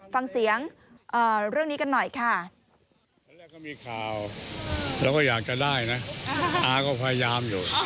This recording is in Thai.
ฟังเสียงเรื่องนี้กันหน่อยค่ะ